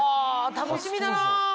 楽しみだな。